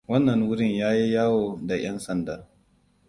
Wannan wurin yayi yawo da 'yan sanda.